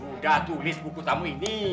udah tulis buku tamu ini